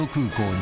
に